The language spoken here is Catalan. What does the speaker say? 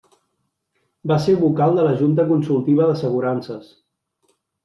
Va ser Vocal de la Junta Consultiva d'Assegurances.